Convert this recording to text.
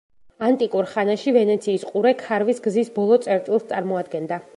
ანტიკურ ხანაში, ვენეციის ყურე ქარვის გზის ბოლო წერტილს წარმოადგენდა.